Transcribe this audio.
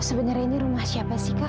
sebenarnya ini rumah siapa sih kak